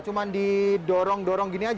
cuma didorong dorong gini aja